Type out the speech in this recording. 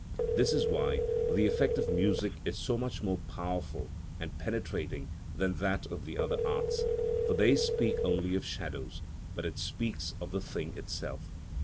This is why the effect of music is so much more powerful and penetrating than that of the other arts, for they speak only of shadows, but it speaks of the thing itself.